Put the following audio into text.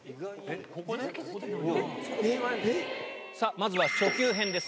まずは初級編です。